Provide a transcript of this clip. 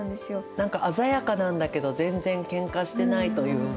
何か鮮やかなんだけど全然ケンカしてないというか。